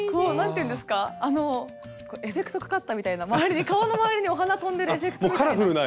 エフェクトかかったみたいな顔の周りにお花飛んでるエフェクトみたいな。